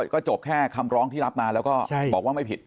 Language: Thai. ก็จบแค่คำร้องที่รับมาแล้วก็บอกว่าไม่ผิด